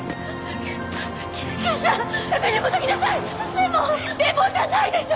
「でも」じゃないでしょ！